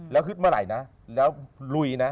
แล้วเฮ็ดมาไหนนะแล้วหลุย